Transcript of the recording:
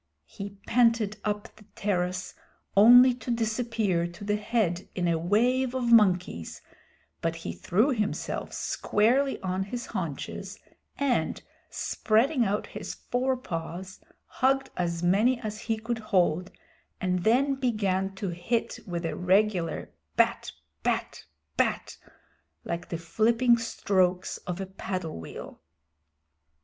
He panted up the terrace only to disappear to the head in a wave of monkeys, but he threw himself squarely on his haunches, and, spreading out his forepaws, hugged as many as he could hold, and then began to hit with a regular bat bat bat, like the flipping strokes of a paddle wheel.